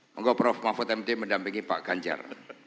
monggo prof mahfud md mendampingi pak ganjar